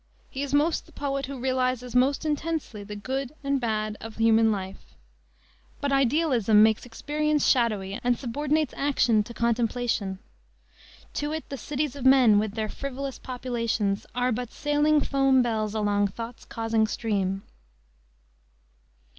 He is most the poet who realizes most intensely the good and the bad of human life. But Idealism makes experience shadowy and subordinates action to contemplation. To it the cities of men, with their "frivolous populations," "... are but sailing foam bells Along thought's causing stream."